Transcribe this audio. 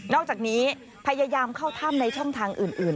อกจากนี้พยายามเข้าถ้ำในช่องทางอื่น